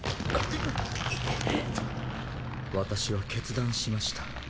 私は決断しました。